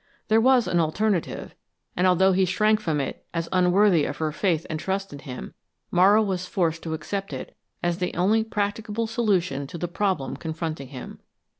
There was an alternative, and although he shrank from it as unworthy of her faith and trust in him, Morrow was forced to accept it as the only practicable solution to the problem confronting him.